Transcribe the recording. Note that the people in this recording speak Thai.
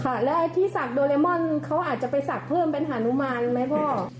ค่ะแล้วไอ้ที่ศักดิ์โดเรมอนเขาอาจจะไปศักดิ์เพิ่มเป็นหานุมานไหมพ่อ